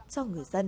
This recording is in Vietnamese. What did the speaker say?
cho người dân